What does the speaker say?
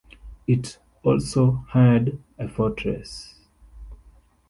It also had a fortress.